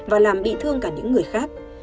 và làm bị thương cả những người khác